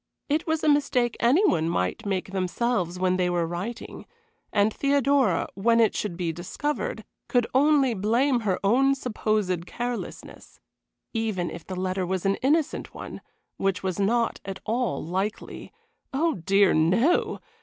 It was a mistake any one might make themselves when they were writing, and Theodora, when it should be discovered, could only blame her own supposed carelessness. Even if the letter was an innocent one, which was not at all likely. Oh, dear, no!